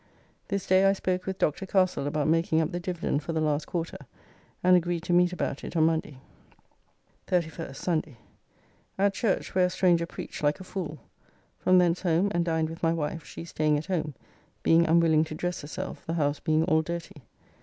This day I spoke with Dr. Castle about making up the dividend for the last quarter, and agreed to meet about it on Monday. 31st (Sunday). At church, where a stranger preached like a fool. From thence home and dined with my wife, she staying at home, being unwilling to dress herself, the house being all dirty.